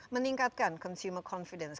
meningkatkan consumer confidence